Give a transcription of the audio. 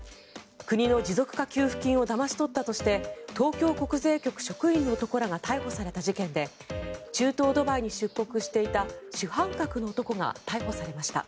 国の持続化給付金をだまし取ったとして東京国税局職員の男らが逮捕された事件で中東ドバイに出国していた主犯格の男が逮捕されました。